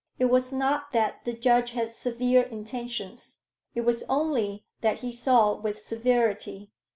It was not that the judge had severe intentions; it was only that he saw with severity.